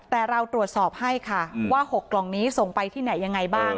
แต่เราตรวจสอบให้ค่ะว่า๖กล่องนี้ส่งไปที่ไหนยังไงบ้าง